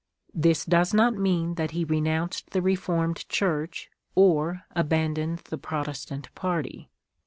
This does not mean that he renounced the Re formed Church, or abandoned the Protestant party.